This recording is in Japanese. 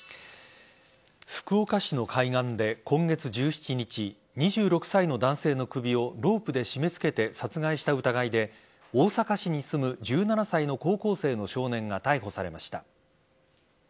福岡市の海岸で今月１７日２６歳の男性の首をロープで絞めつけて殺害した疑いで大阪市に住む１７歳の高校生の少年が逮捕されました。